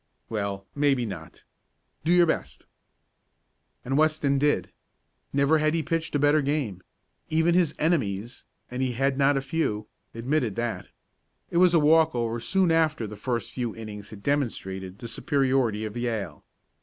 "Well, maybe not. Do your best!" And Weston did. Never had he pitched a better game even his enemies, and he had not a few, admitted that. It was a "walkover" soon after the first few innings had demonstrated the superiority of Yale.